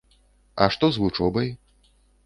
А што з вучобай?